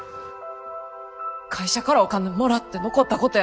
会社からお金もらって残ったことやない。